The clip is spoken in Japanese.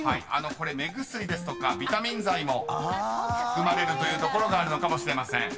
［これ目薬ですとかビタミン剤も含まれるというところがあるのかもしれません］